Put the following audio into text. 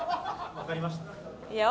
わかりました？